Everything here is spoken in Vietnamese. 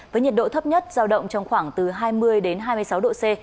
với nhiệt độ thấp nhất giao động trong khoảng từ hai mươi đến hai mươi sáu độ c